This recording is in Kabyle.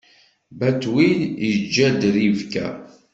Batwil iǧǧa-d Ribka.